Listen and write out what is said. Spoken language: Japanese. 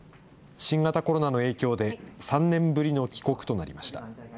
新型コロナの影響で、３年ぶりの帰国となりました。